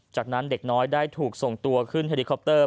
จากนั้นเด็กน้อยได้ถูกส่งตัวขึ้นเฮลิคอปเตอร์